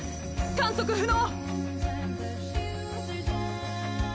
観測不能！